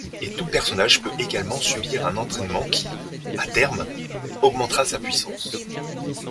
Et tout personnage peut également subir un entraînement qui, à terme, augmentera sa puissance.